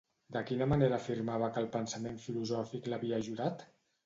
De quina manera afirmava que el pensament filosòfic l'havia ajudat?